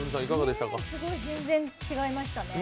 すごい全然違いましたね。